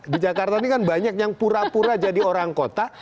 di jakarta ini kan banyak yang pura pura jadi orang kota